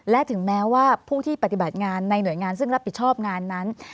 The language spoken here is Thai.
และถึงแม้ว่าผู้ที่ปฏิบัติงานในหน่วยงานซึ่งรับผิดชอบงานนั้น